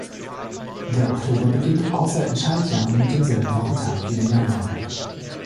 Der Oktober beginnt außer in Schaltjahren mit demselben Wochentag wie der Januar.